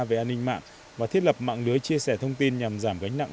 về an ninh mạng và thiết lập mạng lưới chia sẻ thông tin nhằm giảm gánh nặng